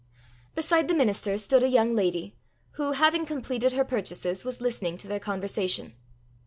Beside the minister stood a young lady, who, having completed her purchases, was listening to their conversation.